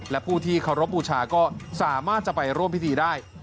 และผู้ที่เคารพบูชาก็สามารถจะไปร่วมพิธีได้